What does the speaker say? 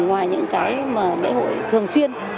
ngoài những cái mà lễ hội thường xuyên